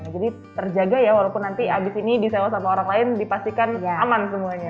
jadi terjaga ya walaupun nanti abis ini disewa sama orang lain dipastikan aman semuanya